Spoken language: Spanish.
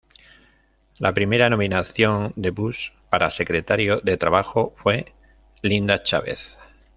La primera nominación de Bush para Secretario de Trabajo fue Linda Chávez.